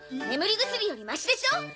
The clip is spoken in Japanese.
眠り薬よりましでしょ！